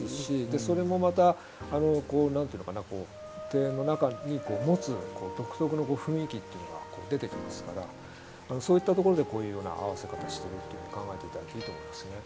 でそれもまた何ていうのかな庭園の中に持つ独特の雰囲気っていうのが出てきますからそういったところでこういうような合わせ方してるっていうように考えて頂いていいと思いますね。